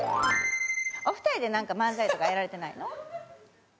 お二人でなんか漫才とかやられてないの？